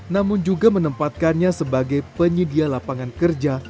namun juga menempatkannya sebagai penyedia lapangan kerja